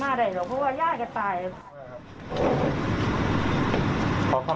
มันยังไงครับไฟล์ครับท่านบริการหรือว่าหรือครับ